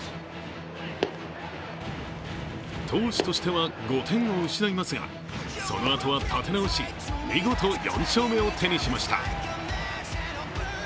投手としては５点を失いますがそのあとは立て直し見事、４勝目を手にしました。